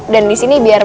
dan disini biar menerima